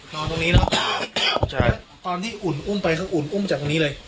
ตรงนี้เนอะใช่ตอนที่อุ่นอุ้มไปเขาอุ่นอุ้มจากตรงนี้เลย